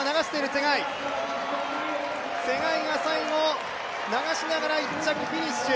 ツェガイが最後、流しながら１着フィニッシュ。